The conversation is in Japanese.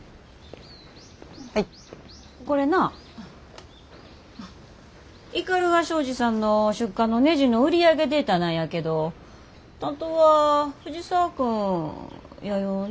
これな斑鳩商事さんの出荷のねじの売り上げデータなんやけど担当は藤沢君やよね？